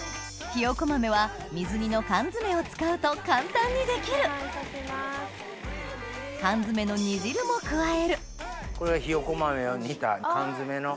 ひよこ豆は水煮の缶詰を使うと簡単にできる缶詰の煮汁も加えるこれはひよこ豆を煮た缶詰の。